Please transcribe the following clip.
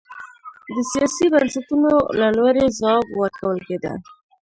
د سیاسي بنسټونو له لوري ځواب ورکول کېده.